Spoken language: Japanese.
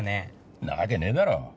んなわけねえだろ。